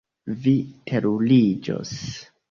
Vi teruriĝos.